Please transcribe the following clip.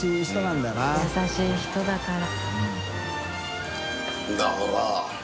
優しい人だから。